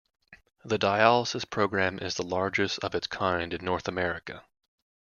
The dialysis program is the largest of its kind in North America.